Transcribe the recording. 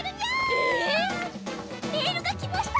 ええ⁉メールが来ました！